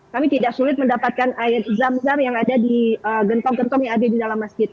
kami tidak sulit mendapatkan air zam zam yang ada di gentong gentong yang ada di dalam masjid